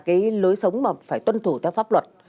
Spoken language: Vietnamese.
cái lối sống mà phải tuân thủ theo pháp luật